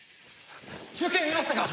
中継見ましたか！？